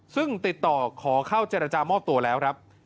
ซึ่งติดต่อขอเข้าเจรจามอบตัวแล้วครับ